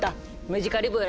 ムジカリブロ？